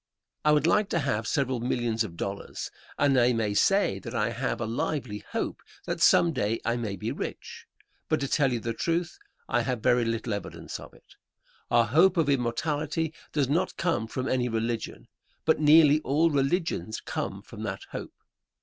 I would like to have several millions of dollars, and I may say that I have a lively hope that some day I may be rich, but to tell you the truth I have very little evidence of it. Our hope of immortality does not come from any religion, but nearly all religions come from that hope.